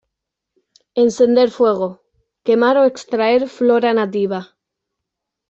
Encender fuego, quemar o extraer flora nativa.